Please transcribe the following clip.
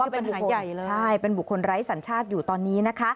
เพราะว่าเป็นบุคคลไร้สัญชาติอยู่ตอนนี้